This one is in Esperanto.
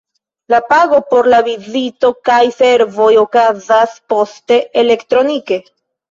La pago por la vizito kaj servoj okazas poste, elektronike.